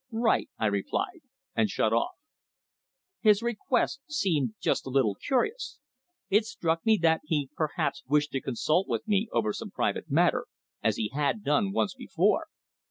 "Right," I replied, and shut off. His request seemed just a little curious. It struck me that he perhaps wished to consult with me over some private matter, as he had done once before.